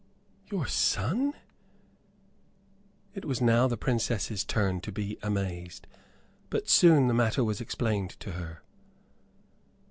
"Your son?" It was now the Princess's turn to be amazed. But soon the matter was explained to her.